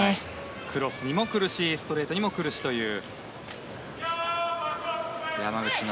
クロスに来るしストレートにも来るしという。